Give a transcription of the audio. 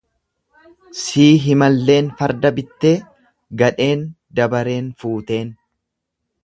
Sii himalleen farda bittee, gadheen dabareen fuuteen.